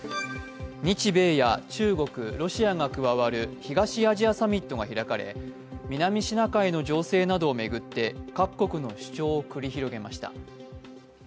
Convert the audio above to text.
日米や中国、ロシアが加わる東アジアサミットが開かれ南シナ海の情勢などを巡って各国の主張を繰り広げました。